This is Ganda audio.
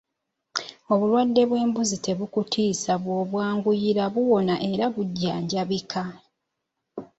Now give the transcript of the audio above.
Obulwadde bw'embuzi tebukutiisa bw'obwanguyira buwona era bujjanjabika.